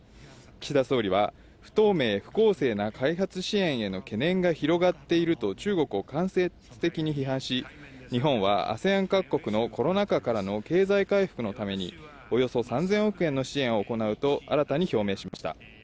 岸田総理は、不透明、不公正な開発支援への懸念が広がっていると中国を間接的に批判し、日本はＡＳＥＡＮ各国のコロナ禍からの経済回復のために、およそ３０００億円の支援を行うと新たに表明しました。